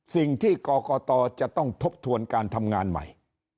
สิ่งที่กรกตจะต้องทบทวนการทำงานใหม่